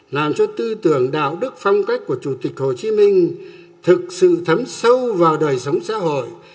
làm cho tư tưởng đạo đức phong cách của chủ tịch hồ chí minh thực sự thấm sâu vào đời sống xã hội